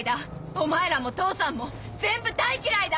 お前らも父さんも全部大嫌いだ！